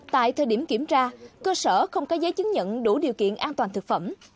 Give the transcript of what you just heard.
tại thời điểm kiểm tra cơ sở không có giấy chứng nhận đủ điều kiện an toàn thực phẩm